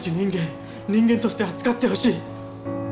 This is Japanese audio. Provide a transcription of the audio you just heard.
人間として扱ってほしい。